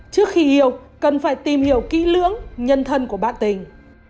trước khi yêu cần phải tìm hiểu kỹ lưỡng nhân thân của bạn tình